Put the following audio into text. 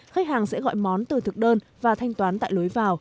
khách hàng sẽ gọi món từ thực đơn và thanh toán tại lối vào